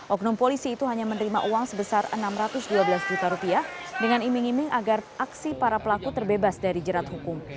oknum polisi itu hanya menerima uang sebesar enam ratus dua belas juta rupiah dengan iming iming agar aksi para pelaku terbebas dari jerat hukum